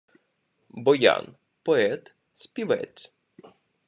Боян — поет, співець